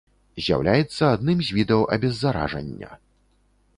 З'яўляецца адным з відаў абеззаражання.